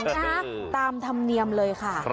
นะตามธรรมเนียมเลยค่ะ